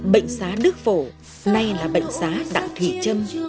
bệnh xá đức phổ nay là bệnh xá đặng thùy trâm